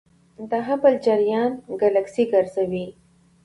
د هبل جریان ګلکسي ګرځوي.